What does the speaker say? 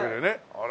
あら。